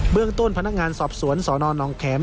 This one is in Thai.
เรื่องต้นพนักงานสอบสวนสนน้องแขม